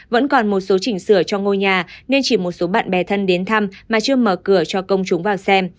vẫn còn một số chỉnh sửa cho ngôi nhà nên chỉ một số bạn bè thân đến thăm mà chưa mở cửa cho công chúng vào xem